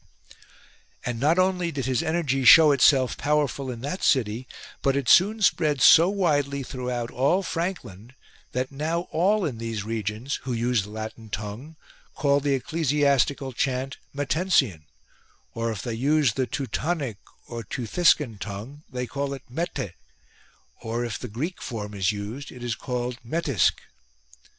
And not only did his energy show itself powerful in that city, but it soon spread so widely throughout all Frankland, that now all in these regions who use the Latin tongue call the ecclesiastical chant Metensian ; or, if they use the Teutonic or Teuthiscan tongue, they call it Mette ; or if the Greek form is used it is called Mettisc.